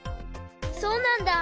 そうなんだ。